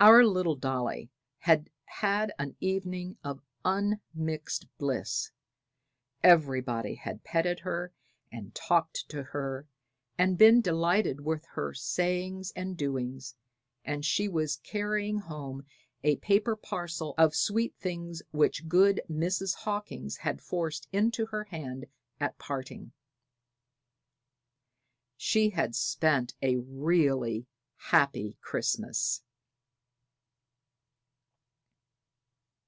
Our little Dolly had had an evening of unmixed bliss. Everybody had petted her, and talked to her, and been delighted with her sayings and doings, and she was carrying home a paper parcel of sweet things which good Mrs. Hawkins had forced into her hand at parting. She had spent a really happy Christmas!